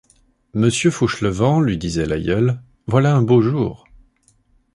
Monsieur Fauchelevent, lui disait l’aïeul, voilà un beau jour.